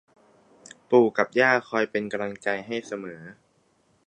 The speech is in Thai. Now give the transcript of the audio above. ปู่กับย่าคอยเป็นกำลังใจให้เสมอ